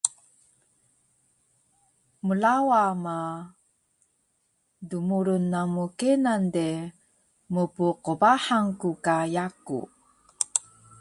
Mlawa ma, dmurun namu kenan de, mpqbahang ku ka yaku